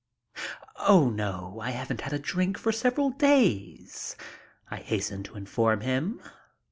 "Oh no. I haven't had a drink for several days," I hasten to inform him.